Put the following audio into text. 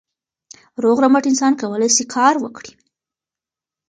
روغ رمټ انسان کولای سي کار وکړي.